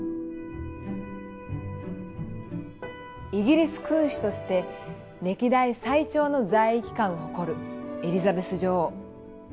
イギリス君主として歴代最長の在位期間を誇るエリザベス女王。